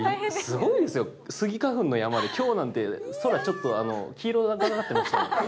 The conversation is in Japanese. すごいですよ、スギ花粉の山で今日なんて空気がちょっと黄色かったですもん。